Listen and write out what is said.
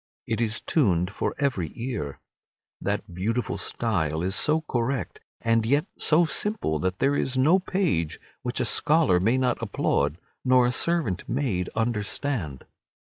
It is tuned, for every ear. That beautiful style is so correct and yet so simple that there is no page which a scholar may not applaud nor a servant maid understand.